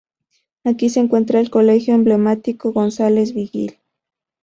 Aquí se encuentra el Colegio Emblemático Gonzales Vigil.